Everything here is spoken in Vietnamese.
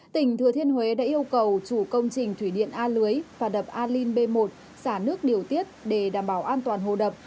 tỉnh thừa thiên huế đã yêu cầu chủ công trình thủy điện a lưới và đập alin b một xả nước điều tiết để đảm bảo an toàn hồ đập